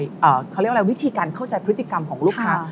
เขาเรียกว่าวิธีการเข้าใจพฤติกรรมของลูกค้า